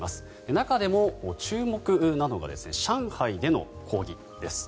中でも注目なのが上海での抗議です。